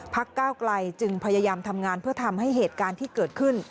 ก้าวไกลจึงพยายามทำงานเพื่อทำให้เหตุการณ์ที่เกิดขึ้น